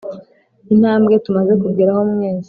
intambwe tumaze kugeraho mwese